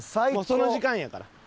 その時間やから。